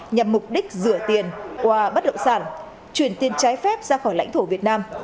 nhằm mục đích rửa tiền qua bất động sản chuyển tiền trái phép ra khỏi lãnh thổ việt nam